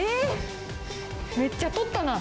めっちゃ取ったな。